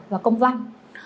và công văn